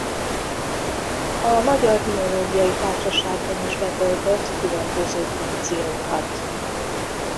A Magyar Biológiai Társaságban is betöltött különböző funkciókat.